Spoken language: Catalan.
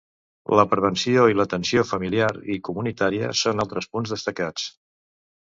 La prevenció i l'atenció familiar i comunitària són altres punts destacats.